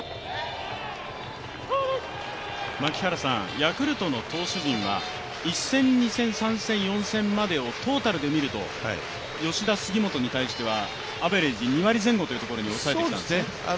ヤクルトの投手陣は、１戦、２戦、３戦、４戦までをトータルで見ると、吉田、杉本に対してはアベレージ２割前後というところに抑えてきましたよね？